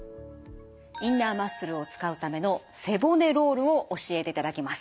インナーマッスルを使うための背骨ロールを教えていただきます。